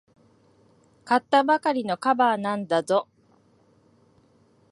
買ったばかりのカバーなんだぞ。